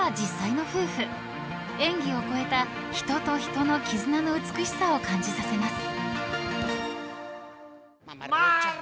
［演技を超えた人と人の絆の美しさを感じさせます］